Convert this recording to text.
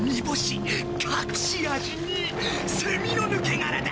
隠し味にセミの抜け殻だ。